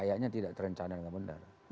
kayaknya tidak terencana dengan benar